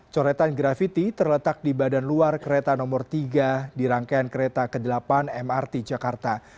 coretan grafiti terletak di badan luar kereta nomor tiga di rangkaian kereta ke delapan mrt jakarta